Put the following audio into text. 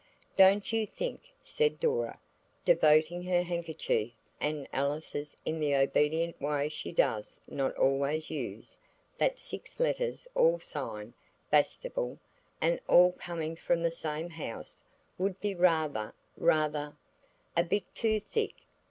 "Don't you think," said Dora, devoting her handkerchief and Alice's in the obedient way she does not always use, "that six letters, all signed 'Bastable,' and all coming from the same house, would be rather–rather–" "A bit too thick?